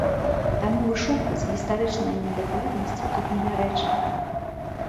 Таму вышукваць гістарычныя недакладнасці тут недарэчы.